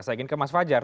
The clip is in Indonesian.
saya ingin ke mas fajar